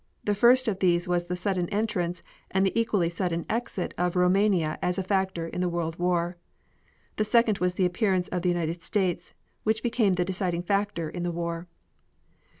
The first of these was the sudden entrance and the equally sudden exit of Roumania as a factor in the World War. The second was the appearance of the United States which became the deciding factor in the war.